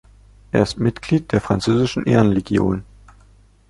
Er ist Mitglied der französischen Ehrenlegion.